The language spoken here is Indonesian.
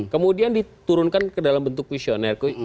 kemudian diturunkan ke dalam bentuk visioner